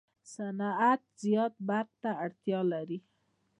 صنعت و زیات برق ته اړتیا لري.